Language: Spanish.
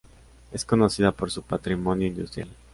Es conocida por su patrimonio industrial.